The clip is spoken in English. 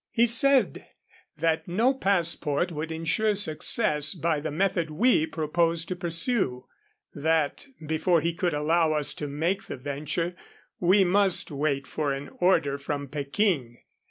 He said that no passport would insure success by the method we proposed to pursue; that, before he could allow us to make the venture, we must wait for an order from Peking.